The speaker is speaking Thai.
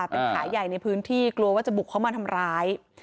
เป็นขาใหญ่ในพื้นที่กลัวว่าจะบุกเข้ามาทำร้าย